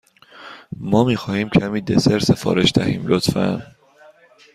ما می خواهیم کمی دسر سفارش دهیم، لطفا.